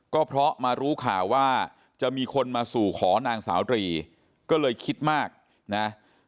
ก็เพราะมารู้ข่าวว่าจะมีคนมาสู่ขอนางสาวตรีก็เลยคิดมากนะ